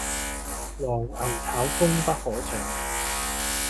黃牛炒風不可長